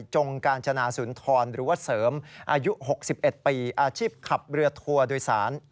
จงกาญจนาสุนทรหรือว่าเสริมอายุ๖๑ปีอาชีพขับเรือทัวร์โดยสาร